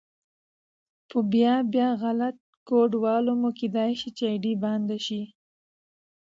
په بيا بيا غلط کوډ وهلو مو کيدی شي آئيډي بنده شي